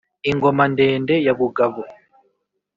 Ingoma ndende ya Bugabo